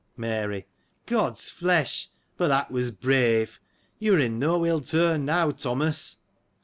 Mary. — God's flesh ; but that was brave. You were in no ill turn, now, Thomas.